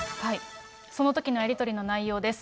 そのときのやり取りの内容です。